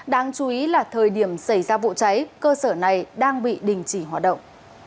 đáng chú ý là thời điểm xảy ra vụ cháy cơ sở này đang bị đình chỉ hoạt động